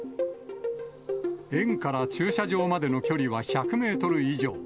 園から駐車場までの距離は１００メートル以上。